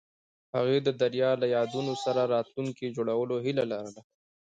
هغوی د دریا له یادونو سره راتلونکی جوړولو هیله لرله.